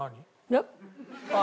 えっ？